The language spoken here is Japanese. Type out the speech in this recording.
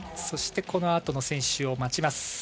そしてこのあとの選手を待ちます。